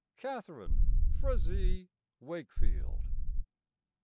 Catharine Frazee Wakefield.